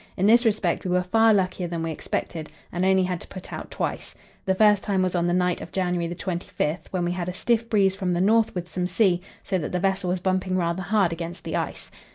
In this respect we were far luckier than we expected, and only had to put out twice. The first time was on the night of January 25, when we had a stiff breeze from the north with some sea, so that the vessel was bumping rather hard against the ice.